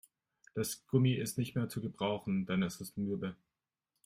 Das Gummi ist nicht mehr zu gebrauchen, denn es ist mürbe.